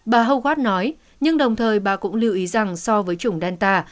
bà hau quát nói nhưng đồng thời bà cũng lưu ý rằng so với chủng delta